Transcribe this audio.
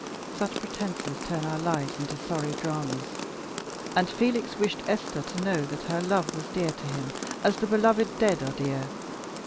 Such pretences turn our lives into sorry dramas. And Felix wished Esther to know that her love was dear to him as the beloved dead are dear.